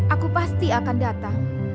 aku pasti akan datang